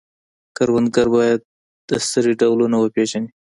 کروندګر باید د سرې ډولونه وپیژني.